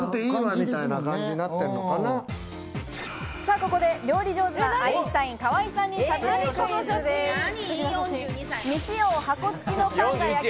ここで料理上手なアインシュタイン・河井さんに査定クイズです。